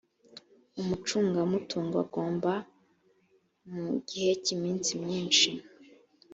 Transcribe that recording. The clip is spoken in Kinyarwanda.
umucungamutungo agomba mu gihe cy iminsi myinshi